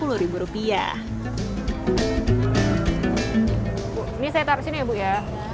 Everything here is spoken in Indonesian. ini saya taruh di sini ya bu ya